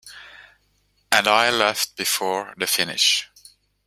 And I left before the finish.